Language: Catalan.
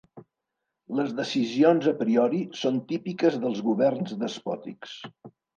Les decisions a priori són típiques dels governs despòtics.